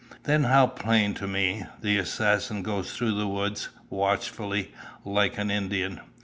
Then how plain to me, the assassin goes through the woods, watchfully, like an Indian.